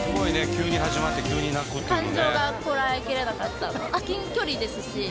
急に始まって急に泣くっていうのね